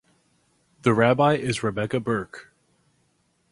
The Rabbi is Rebecca Birk.